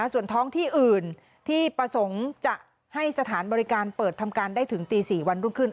ส่วนท้องที่อื่นที่ประสงค์จะให้สถานบริการเปิดทำการได้ถึงตี๔วันรุ่งขึ้น